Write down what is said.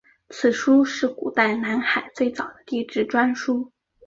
此书是古代南海最早的地志专书。